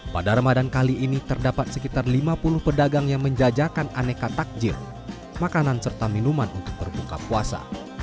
pada ramadan kali ini terdapat sekitar lima puluh pedagang yang menjajakan aneka takjil makanan serta minuman untuk berbuka puasa